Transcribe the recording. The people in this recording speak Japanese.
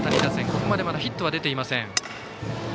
ここまでまだヒットは出ていません。